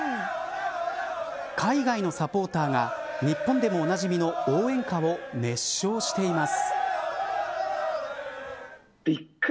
海外のサポーターが日本でもおなじみの応援歌を熱唱しています。